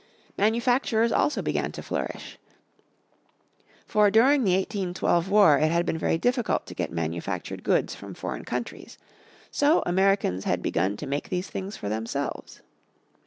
Manufacturers also began to flourish. For during the 1812 war it had been very difficult to get manufactured goods from foreign countries. So Americans had begun to make these things for themselves.